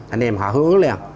anh em họ hứa liền